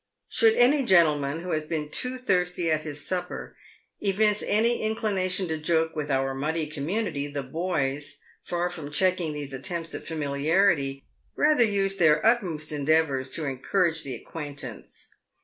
Should any gentleman who has been too thirsty at his supper, evince any inclination to joke with our muddy community, the. boys, far from checking these attempts at familiarity, rather use their utmost endeavours to encourage the acquaintance.